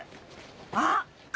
あっ！